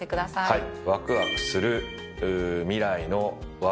はい。